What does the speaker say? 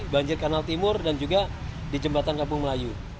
banjir kanal timur dan juga di jembatan kampung melayu